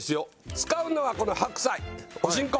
使うのはこの白菜お新香。